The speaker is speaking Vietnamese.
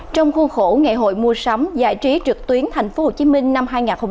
trong khuôn khổ ngày hội mua sắm giải trí trực tuyến tp hcm năm hai nghìn hai mươi bốn